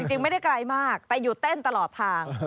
จริงไม่ได้ไกลมากแต่อยู่เต้นตลอดทาง